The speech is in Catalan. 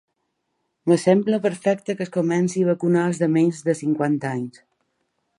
Em sembla perfecte que es comence a vacunar als de menys de cinquanta anys.